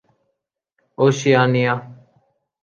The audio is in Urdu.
اوشیانیا